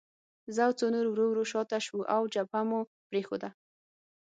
زه او څو نور ورو ورو شاته شوو او جبهه مو پرېښوده